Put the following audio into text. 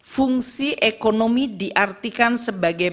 fungsi ekonomi diartikan sebagai